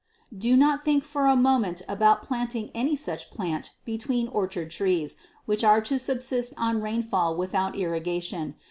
Do not think for a moment about planting any such plant between orchard trees which are to subsist on rainfall without irrigation.